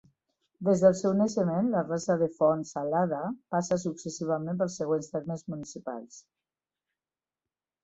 Des del seu naixement, la Rasa de Font Salada passa successivament pels següents termes municipals.